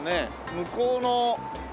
向こうの。